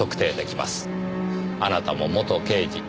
あなたも元刑事。